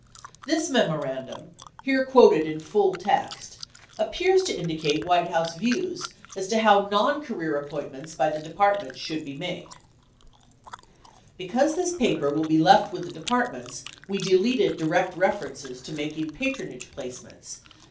10 This memorandum, here quoted in full text, appears to indi cate White House views as to how noncareer appointments by the depart ments should be made : Because this paper will be left with the Departments, we deleted direct references to making patronage placements.